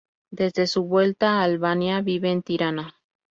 Desde su vuelta a Albania, vive en Tirana.